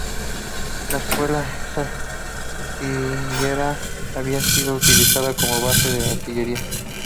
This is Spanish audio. La escuela de artillería había sido utilizada como base de artillería.